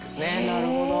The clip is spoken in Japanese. なるほど。